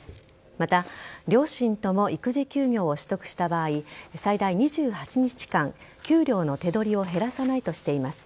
また、両親とも育児休業を取得した場合最大２８日間給料の手取りを減らさないとしています。